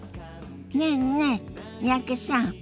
ねえねえ三宅さん。